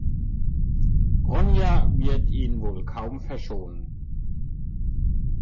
Ronja wird ihn wohl kaum verschonen.